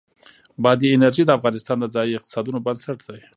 بادي انرژي د افغانستان د ځایي اقتصادونو بنسټ دی.